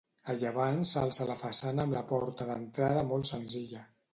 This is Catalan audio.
A llevant s'alça la façana amb la porta d'entrada molt senzilla.